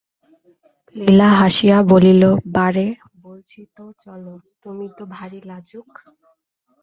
লীলা হাসিয়া বলিল, বারে, বলছি তো চলো, তুমি তো ভারি লাজুক?